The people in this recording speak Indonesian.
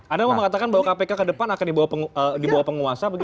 anda mau mengatakan bahwa kpk ke depan akan dibawa penguasa begitu